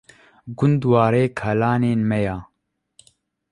Gund warê kalanên me ye.